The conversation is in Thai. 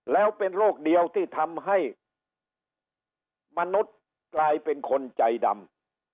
แล้วเป็นโรคเดียวที่ทำให้มนุษย์กลายเป็นคนใจดำ